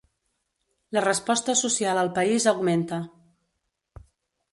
La resposta social al país augmenta.